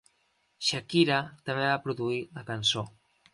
Shakira també va produir la cançó.